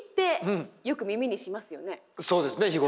そうですね日頃。